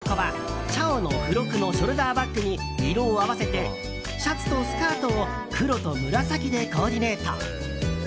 こちらの小学５年生の女の子は「ちゃお」の付録のショルダーバッグに色を合わせてシャツとスカートを黒と紫でコーディネート。